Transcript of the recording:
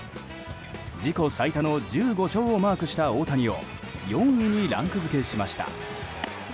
自己最多の１５勝をマークした大谷を４位にランク付けしました。